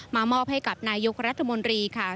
มอบให้กับนายกรัฐมนตรีค่ะ